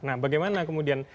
nah bagaimana kemudian